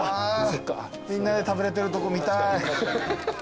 みんなで食べれてるとこ見たい。